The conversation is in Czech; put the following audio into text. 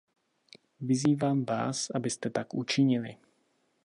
Vyzývám vás, abyste tak učinili.